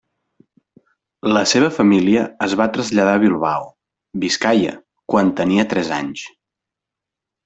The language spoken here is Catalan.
La seva família es va traslladar a Bilbao, Biscaia, quan tenia tres anys.